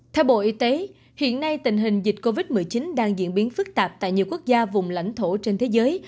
theo bộ y tế hiện nay tình hình dịch covid một mươi chín đang diễn biến phức tạp tại nhiều quốc gia vùng lãnh thổ trên thế giới